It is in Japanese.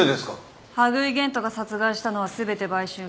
羽喰玄斗が殺害したのは全て売春婦。